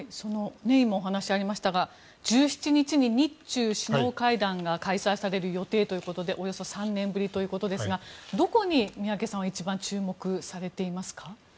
今、お話がありましたが１７日に日中首脳会談が開催される予定ということでおよそ３年ぶりということですがどこに宮家さんは一番注目されていますか。